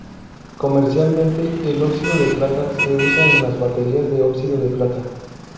Comercialmente, el óxido de plata se usa en las baterías de óxido de plata.